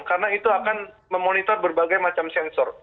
karena itu akan memonitor berbagai macam sensor